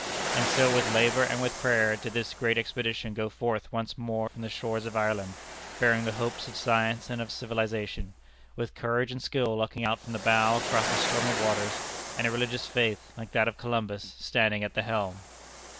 And so with labor and with prayer did this great expedition go forth once more from the shores of Ireland, bearing the hopes of science and of civilization with courage and skill looking out from the bow across the stormy waters, and a religious faith, like that of Columbus, standing at the helm.